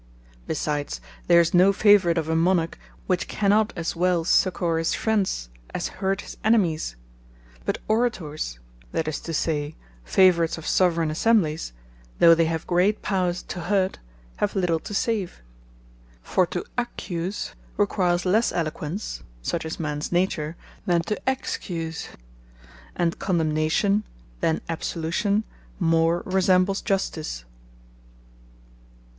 Besides, there is no Favourite of a Monarch, which cannot as well succour his friends, as hurt his enemies: But Orators, that is to say, Favourites of Soveraigne Assemblies, though they have great power to hurt, have little to save. For to accuse, requires lesse Eloquence (such is mans Nature) than to excuse; and condemnation, than absolution more resembles Justice.